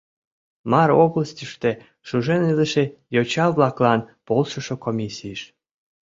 МАРОБЛАСТЬЫШТЕ ШУЖЕН ИЛЫШЕ ЙОЧА-ВЛАКЛАН ПОЛШЫШО КОМИССИЙЫШ